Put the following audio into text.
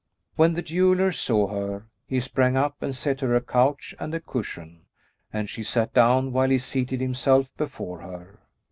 When the jeweller saw her, he sprang up and set her a couch and a cushion; and she sat down while he seated himself before her.